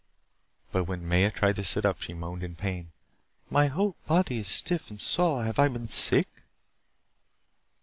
But when Maya tried to sit up, she moaned in pain. "My whole body is stiff and sore. Have I been sick?"